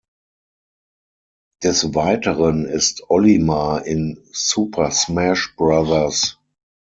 Des Weiteren ist Olimar in "Super Smash Bros.